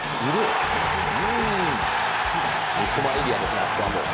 三笘エリアですね、あそこはもう。